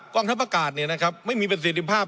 กล้องทัพประกาศไม่มีเป็นสินทรีย์ภาพ